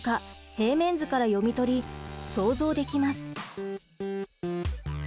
平面図から読み取り想像できます。